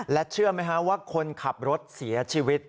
และเชื่อไหมฮะว่าคนขับรถเสียชีวิต